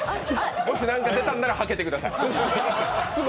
もし出たんならはけてください。